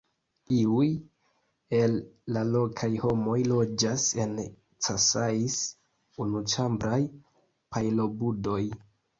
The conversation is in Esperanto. Iuj el la lokaj homoj loĝas en casais, unuĉambraj pajlobudoj.